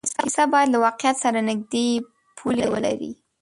کیسه باید له واقعیت سره نږدې پولې ولري.